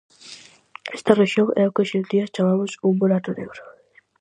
Esta rexión é o que hoxe en día chamamos un burato negro.